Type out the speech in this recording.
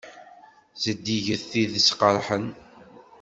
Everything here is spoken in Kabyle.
Zeddiget tidet qeṛṛḥen.